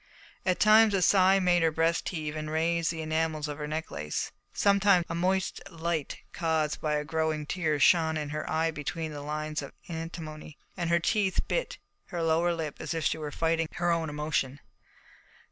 At times a sigh made her breast heave and raised the enamels of her necklace. Sometimes a moist light caused by a growing tear shone in her eye between the lines of antimony, and her tiny teeth bit her lower lip as if she were fighting her own emotion.